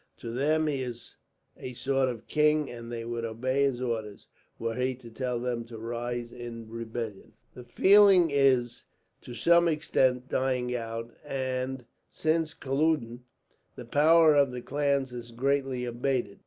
To them he is a sort of king, and they would obey his orders, were he to tell them to rise in rebellion. "The feeling is to some extent dying out and, since Culloden, the power of the clans has greatly abated.